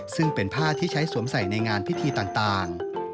ซึ่งเป็นผ้าที่ใช้สวมใส่ในงานพิธีต่าง